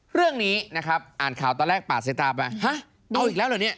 เรื่องนี้นะครับอ่านข่าวตอนแรกปาดใส่ตาไปฮะเอาอีกแล้วเหรอเนี่ย